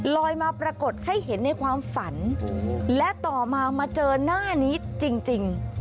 ลอยมาปรากฏให้เห็นในความฝันและต่อมามาเจอหน้านี้จริง